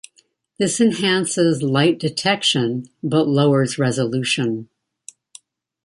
This enhances light detection but lowers resolution.